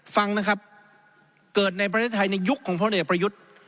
ฟังนะครับเกิดในประเทศไทยในยุคของพลเอกประยุทธ์